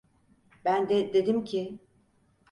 Ben de dedim ki…